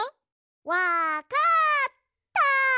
わかった！